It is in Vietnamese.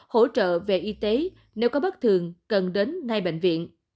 hỗ trợ về y tế nếu có bất thường cần đến ngay bệnh viện